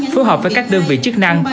phù hợp với các đơn vị chức năng